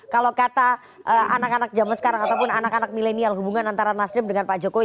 kalau kata anak anak zaman sekarang ataupun anak anak milenial hubungan antara nasdem dengan pak jokowi